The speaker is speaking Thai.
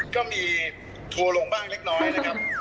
ก็มีทัวร์ลงบ้างเล็กนะครับ